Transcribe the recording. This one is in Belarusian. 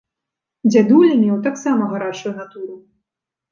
Дзядуля меў таксама гарачую натуру.